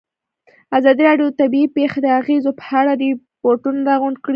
ازادي راډیو د طبیعي پېښې د اغېزو په اړه ریپوټونه راغونډ کړي.